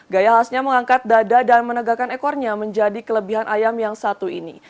gaya khasnya mengangkat dada dan menegakkan ekornya menjadi kelebihan ayam yang satu ini